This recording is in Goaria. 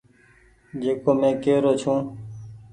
جڪو مين ڪي رو ڇون۔